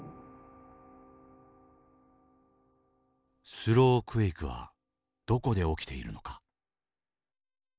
スロークエイクはどこで起きているのか。